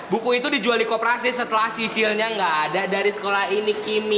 buku itu dijual di kooperasi setelah sisilnya nggak ada dari sekolah ini kimi